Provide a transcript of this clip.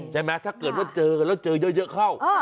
ใช่ไหมถ้าเกิดว่าเจอแล้วเจอเยอะเข้า